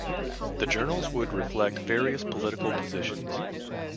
These journals would reflect various political positions.